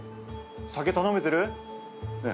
酒頼めてる？ねえ。